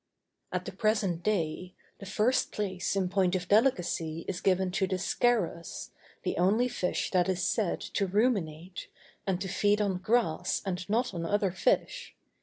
At the present day, the first place in point of delicacy is given to the scarus, the only fish that is said to ruminate, and to feed on grass and not on other fish.